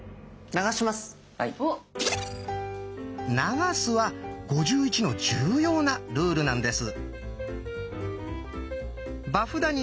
「流す」は「５１」の重要なルールなんです。